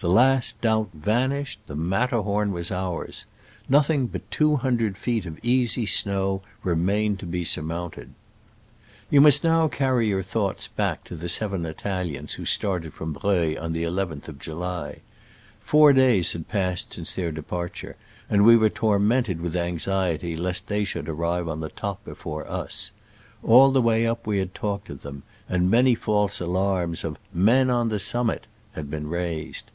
The last doubt vanished ! The Matter horn was ours ! Nothing but two hun dred feet of easy snow remained to be surmounted ! You must now carry your thoughts back to the seven Italians who started from Breuil on the nth of July. Four days had passed since their departure, and we were tormented with anxiety lest they should arrive on the top before us. All the way up we had talked of them, and many false alarms of " men on the summit" had been raised.